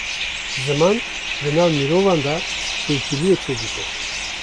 Ziman, di nav mirovan de têkiliyê çê dike